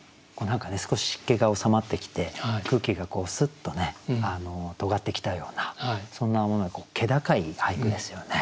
何か少し湿気が収まってきて空気がスッとねとがってきたようなそんな気高い俳句ですよね。